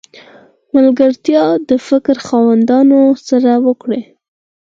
ملګرتیا د فکر خاوندانو سره وکړئ!